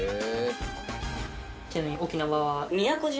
ちなみに沖縄は。